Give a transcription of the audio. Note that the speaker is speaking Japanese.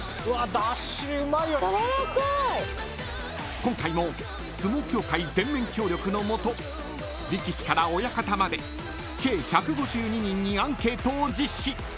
［今回も相撲協会全面協力のもと力士から親方まで計１５２人にアンケートを実施］